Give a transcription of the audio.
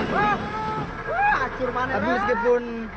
bagus juga pun